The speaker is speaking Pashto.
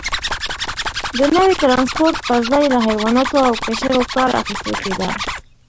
د نوي ټرانسپورت پرځای له حیواناتو او کچرو کار اخیستل کېده.